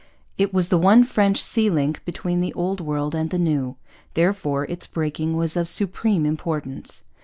It was the one French sea link between the Old World and the New; therefore its breaking was of supreme importance.